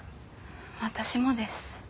私もです。